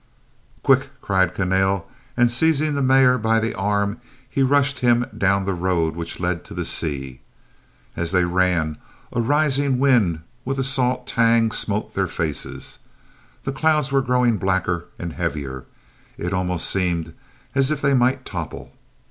"Quick!" cried Kahnale, and seizing the Mayor by the arm he rushed him down the road which led to the sea. As they ran a rising wind with a salt tang smote their faces. The clouds were growing blacker and heavier. It almost seemed as if they might topple.